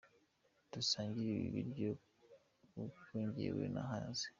Dusangire ibi biryo kuko njyewe nahaze.